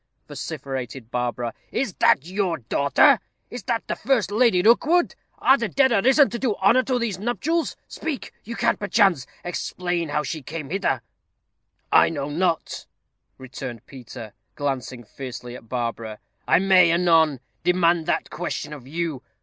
vociferated Barbara, "is that your daughter is that the first Lady Rookwood? Are the dead arisen to do honor to these nuptials? Speak! you can, perchance, explain how she came hither." "I know not," returned Peter, glancing fiercely at Barbara; "I may, anon, demand that question of you.